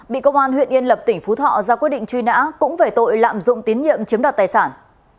bị công an huyện yên lập tỉnh phú thọ ra quyết định truy nã cũng về tội lạm dụng tín nhiệm chiếm đoạt tài sản